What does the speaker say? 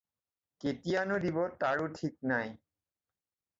কেতিয়ানাে দিব তাৰাে ঠিক নাই।